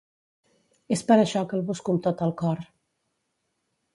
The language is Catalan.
És per això que el busco amb tot el cor.